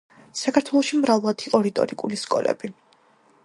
საქართველოში მრავლად იყო რიტორიკული სკოლები.